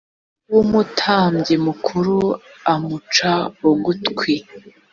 w umutambyi mukuru amuca ugutwi